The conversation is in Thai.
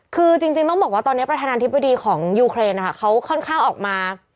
คือจริงต้องบอกว่าตอนนี้ประธานาธิบดีของยูเครนนะคะเขาค่อนข้างออกมา